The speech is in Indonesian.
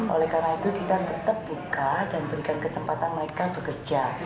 oleh karena itu kita tetap buka dan berikan kesempatan mereka bekerja